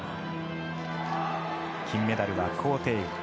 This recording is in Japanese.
金メダルは高亭宇。